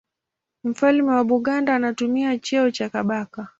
Mfalme wa Buganda anatumia cheo cha Kabaka.